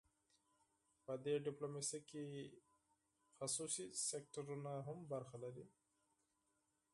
په دې ډیپلوماسي کې خصوصي سکتورونه هم برخه لري